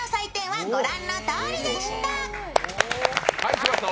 柴田さん